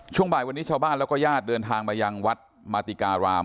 ช่วงบ่ายวันนี้ชาวบ้านแล้วก็ญาติเดินทางมายังวัดมาติการาม